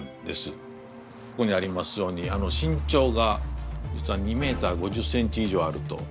ここにありますように身長が実は２ｍ５０ｃｍ以上あると。